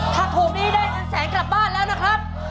ถ้าถูกนี้ได้เงินแสนกลับบ้านแล้วนะครับ